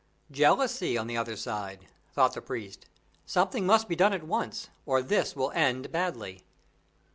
"Jealousy on the other side," thought the priest. "Something must be done at once, or this will end badly."